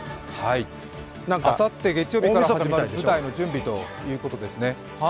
あさって月曜日から始まる舞台の準備ということですね。